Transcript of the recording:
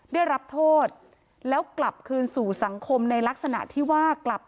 ได้รับโทษแล้วกลับคืนสู่สังคมในลักษณะที่ว่ากลับ